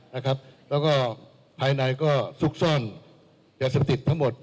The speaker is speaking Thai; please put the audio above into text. แล้วก็ภายในก็ซุกซ่อนยาเสพติดทั้งหมด